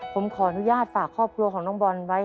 ผมขออนุญาตฝากครอบครัวของน้องบอลไว้